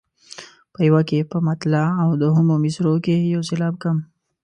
په یوه کې په مطلع او دوهمو مصرعو کې یو سېلاب کم.